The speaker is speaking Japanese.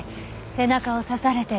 背中を刺されてる。